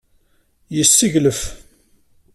Yesseglef.